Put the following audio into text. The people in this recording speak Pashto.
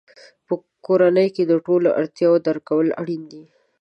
په کورنۍ کې د نورو اړتیاوو درک کول اړین دي.